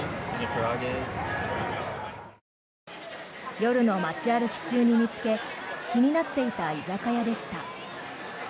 夜の街歩き中に見つけ気になっていた居酒屋でした。